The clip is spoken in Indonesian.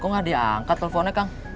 kok gak diangkat teleponnya kang